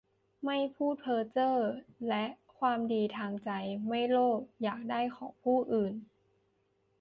ไม่พูดเพ้อเจ้อ และความดีทางใจ ไม่โลภอยากได้ของผู้อื่น